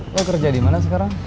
lo kerja dimana sekarang